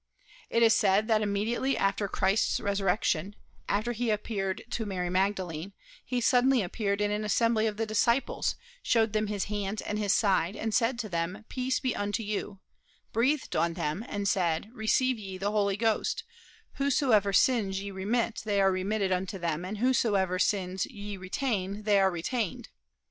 It is said that immediately after Christ's resurrection after he had appeared to Mary Magdalene he suddenly appeared in an assembly of the disciples, showed them his hands and his side, said to them, "Peace be unto you," breathed on them, and said, "Receive ye the Holy Ghost: whosesoever sins ye remit they are remitted unto them, and whosesoever sins ye retain they are retained."